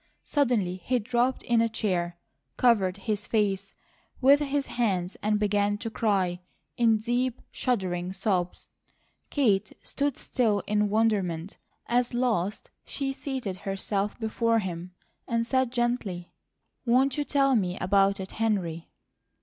Suddenly he dropped in a chair, covered his face with his hands and began to cry, in deep, shuddering sobs. Kate stood still in wonderment. As last she seated herself before him and said gently: "Won't you tell me about it, Henry?"